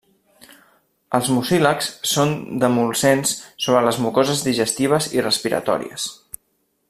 Els mucílags són demulcents sobre les mucoses digestives i respiratòries.